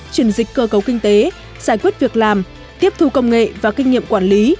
chuyển dịch cơ cấu kinh tế giải quyết việc làm tiếp thu công nghệ và kinh nghiệm quản lý